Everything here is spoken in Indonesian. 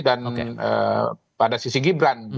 dan pada sisi gibran